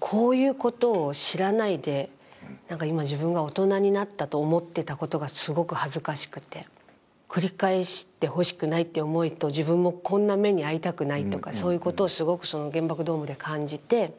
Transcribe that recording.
こういうことを知らないで何か今、自分が大人になったと思ってたことがすごく恥ずかしくて、繰り返してほしくないって思いと自分もこんな目に遭いたくないというかそういうことをすごく原爆ドームで感じて。